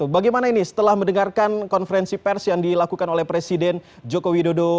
bagaimana ini setelah mendengarkan konferensi pers yang dilakukan oleh presiden joko widodo